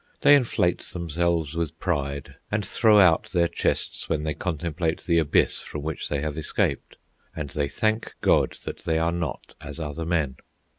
They inflate themselves with pride, and throw out their chests when they contemplate the Abyss from which they have escaped, and they thank God that they are not as other men.